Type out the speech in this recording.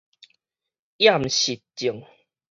厭食症